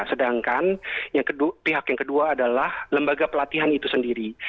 sedangkan pihak yang kedua adalah lembaga pelatihan itu sendiri